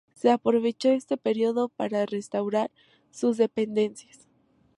Se aprovechó este periodo para restaurar sus dependencias.